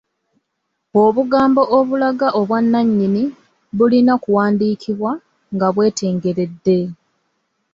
Obugambo obulaga obwannannyini bulina kuwandiikibwa nga bwetengeredde.